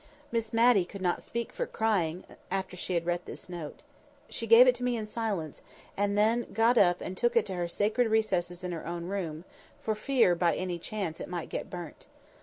Miss Matty could not speak for crying, after she had read this note. She gave it to me in silence, and then got up and took it to her sacred recesses in her own room, for fear, by any chance, it might get burnt.